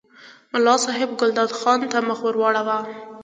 ملا صاحب ګلداد خان ته مخ ور واړاوه.